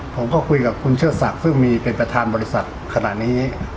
ผมก็คุยกับคุณเชิดศักดิ์ซึ่งมีเป็นประธานบริษัทขณะนี้